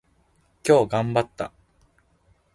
今日頑張った。